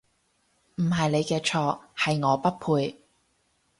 唔係你嘅錯，係我不配